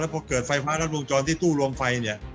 แล้วพอเกิดไฟฟ้ารถวงจรที่ตู้รวมไฟ